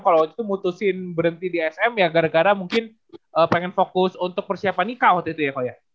kalau waktu itu mutusin berhenti di sm ya gara gara mungkin pengen fokus untuk persiapan nikah waktu itu ya koko ya